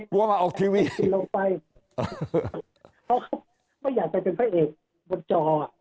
กลัวมาออกทีวีเขาไม่อยากจะเป็นพระเอกบนจอ